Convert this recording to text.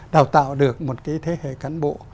đào tạo được một cái thế hệ cán bộ